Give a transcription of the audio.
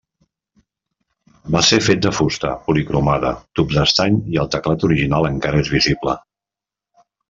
Va ser fet de fusta policromada, tubs d'estany i el teclat original encara és visible.